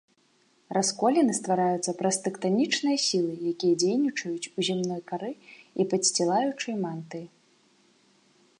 Расколіны ствараюцца праз тэктанічныя сілы, якія дзейнічаюць у зямной кары і падсцілаючай мантыі.